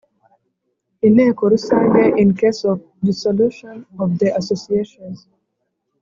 Inteko Rusange In case of dissolution of the Association